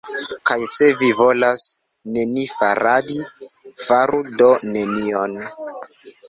Kaj se vi volas nenifaradi, faru do nenion.